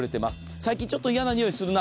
最近、ちょっと嫌なにおいするな。